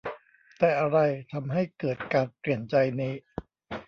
แต่อะไรทำให้เกิดการเปลี่ยนใจนี้